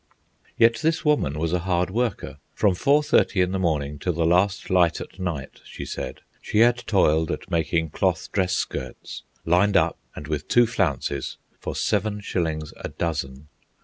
Yet this woman was a hard worker. From 4.30 in the morning till the last light at night, she said, she had toiled at making cloth dress skirts, lined up and with two flounces, for seven shillings a dozen.